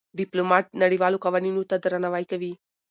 ډيپلومات نړېوالو قوانينو ته درناوی کوي.